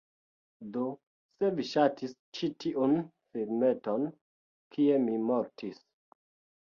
Do, se vi ŝatis ĉi tiun filmeton kie mi mortis